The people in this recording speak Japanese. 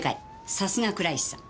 さすが倉石さん。